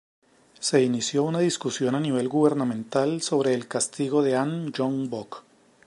Se inició una discusión a nivel gubernamental sobre el castigo de An Yong-bok.